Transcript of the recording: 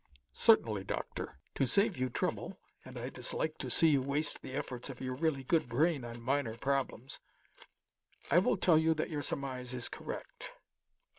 "Certainly, Doctor. To save you trouble and I dislike to see you waste the efforts of your really good brain on minor problems I will tell you that your surmise is correct.